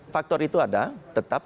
faktor itu ada tetap